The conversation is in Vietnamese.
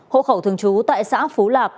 hộ khẩu thường trú tại xã phú lạc